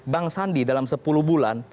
bang sandi dalam sepuluh bulan